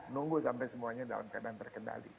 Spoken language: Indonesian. nunggu sampai semuanya dalam keadaan terkendali